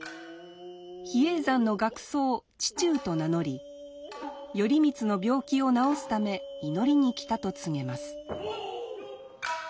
比叡山の学窓智籌と名乗り頼光の病気を治すため祈りに来たと告げます。